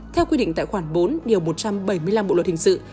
theo quy định tại khoản bốn điều một trăm bảy mươi năm bộ luật hình sự